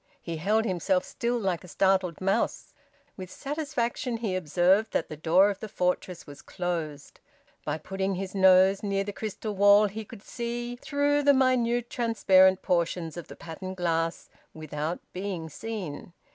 He held himself still like a startled mouse. With satisfaction he observed that the door of the fortress was closed. By putting his nose near the crystal wall he could see, through the minute transparent portions of the patterned glass, without being seen.